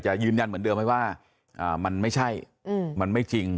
จะยืนยันเหมือนเดิมให้ว่าอ่ามันไม่ใช่อืมมันไม่จริง